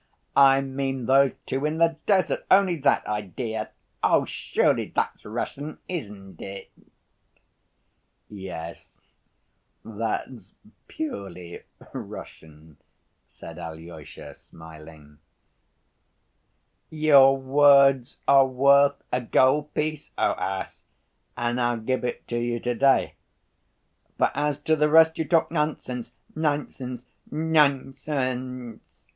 I mean those two in the desert, only that idea. Surely that's Russian, isn't it?" "Yes, that's purely Russian," said Alyosha smiling. "Your words are worth a gold piece, O ass, and I'll give it to you to‐day. But as to the rest you talk nonsense, nonsense, nonsense.